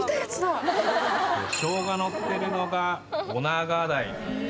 ショウガのってるのがオナガダイ。